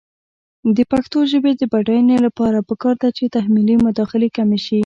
د پښتو ژبې د بډاینې لپاره پکار ده چې تحمیلي مداخلې کمې شي.